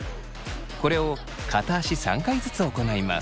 これを片足３回ずつ行います。